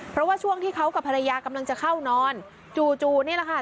เพราะว่าช่วงที่เขากับภรรยากำลังจะเข้านอนจู่นี่แหละค่ะ